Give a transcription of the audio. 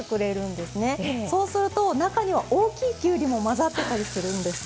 そうすると中には大きいきゅうりもまざってたりするんです。